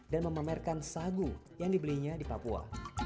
dan memamerkan sagu yang dibelinya di papua